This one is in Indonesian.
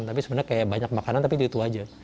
tapi sebenarnya banyak makanan tapi itu saja